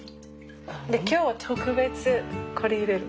今日は特別これ入れる。